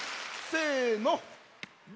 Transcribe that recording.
せの。